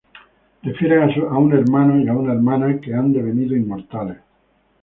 Refieren a un hermano y una hermana que han devenido inmortales.